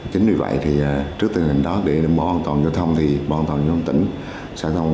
chính vì vậy thì trước tình hình đó để đồng bộ an toàn giao thông thì bộ an toàn giao thông tỉnh sài gòn